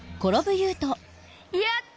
やった！